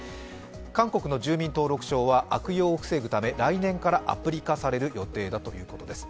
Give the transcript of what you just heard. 韓国の住民登録証は悪用を防ぐため来年からアプリ化される予定だということです。